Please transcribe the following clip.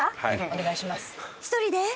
お願いします。